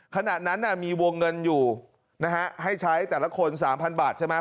ขณะนั้นมีวงเงินอยู่นะฮะให้ใช้แต่ละคน๓๐๐บาทใช่ไหม